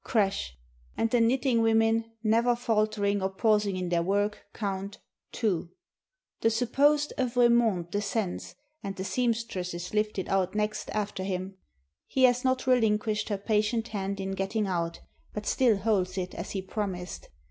Crash! — And the knitting women, never faltering or pausing in their work, count Two. The supposed Evremonde descends, and the seam stress is lifted out next after him. He has not relin quished her patient hand in getting out, but still holds it as he promised.